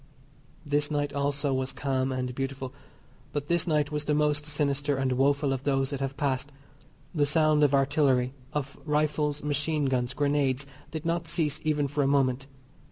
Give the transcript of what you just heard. This night also was calm and beautiful, but this night was the most sinister and woeful of those that have passed. The sound of artillery, of rifles, machine guns, grenades, did not cease even for a moment.